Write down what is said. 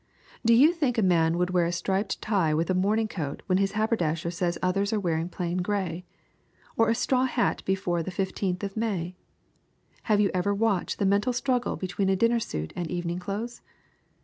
Do you think a man would wear a striped tie with a morning coat when his haberdasher says others are wearing plain gray? Or a straw hat before the fifteenth of May? Have you ever watched the mental struggle between a dinner suit and evening clothes?